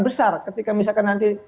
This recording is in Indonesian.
besar ketika misalkan nanti